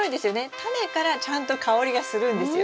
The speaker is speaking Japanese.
タネからちゃんと香りがするんですよ。